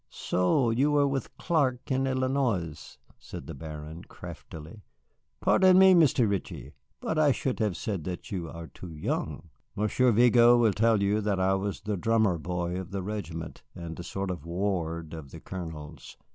"So you were with Clark in Illinois?" said the Baron, craftily. "Pardon me, Mr. Ritchie, but I should have said that you are too young." "Monsieur Vigo will tell you that I was the drummer boy of the regiment, and a sort of ward of the Colonel's.